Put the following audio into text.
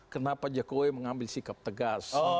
kenapa jokowi mengambil sikap tegas